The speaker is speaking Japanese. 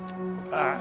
ああ。